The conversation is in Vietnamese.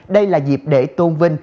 đây là dịp để tôn vinh